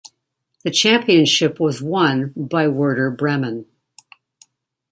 The championship was won by Werder Bremen.